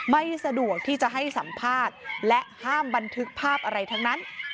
ไม่สะดวกที่จะให้สัมภาษณ์และห้ามบันทึกภาพอะไรทั้งนั้น